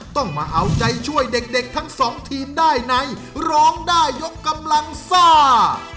ต้องมาเอาใจช่วยเด็กทั้งสองทีมได้ในร้องได้ยกกำลังซ่า